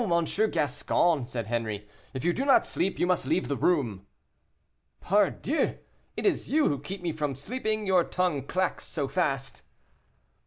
M. Gascon," said Henri, "if you do not sleep, you must leave the room." "Pardieu, it is you who keep me from sleeping, your tongue clacks so fast."